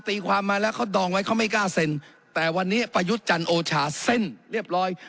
ตีความมาแล้วเขาดองไว้เขาไม่กล้าเซ็นแต่วันนี้ประยุทธ์จันทร์โอชาเส้นเรียบร้อย